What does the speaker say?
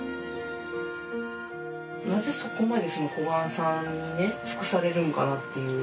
なぜそこまで小雁さんにね尽くされるんかなっていう。